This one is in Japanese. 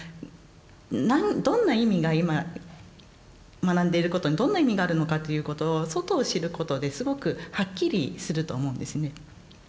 どんな意味が今学んでいることにどんな意味があるのかということを外を知ることですごくはっきりすると思うんですね。